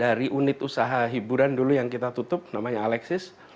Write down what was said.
dari unit usaha hiburan dulu yang kita tutup namanya alexis